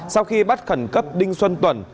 sau khi bắt khẩn cấp đinh xuân tuẩn